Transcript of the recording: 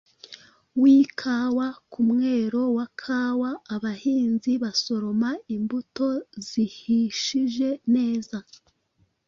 w’ikawa. Ku mwero wa kawa, abahinzi basoroma imbuto zihishije neza